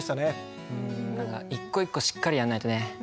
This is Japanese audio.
何か一個一個しっかりやんないとね。